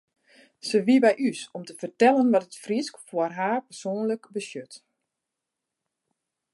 Se wie by ús om te fertellen wat it Frysk foar har persoanlik betsjut.